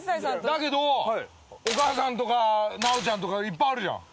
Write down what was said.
だけどお母さんとか直ちゃんとかいっぱいあるじゃん。